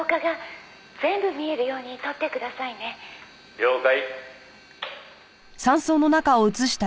「了解！」